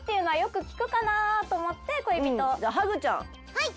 はい。